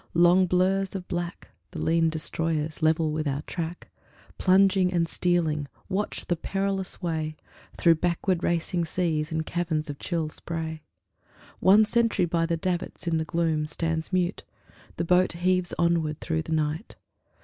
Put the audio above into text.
Long blurs of black, The lean Destroyers, level with our track, Plunging and stealing, watch the perilous way Through backward racing seas and caverns of chill spray. One sentry by the davits, in the gloom Stands mute; the boat heaves onward through the night.